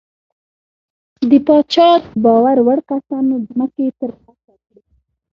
د پاچا د باور وړ کسانو ځمکې ترلاسه کړې.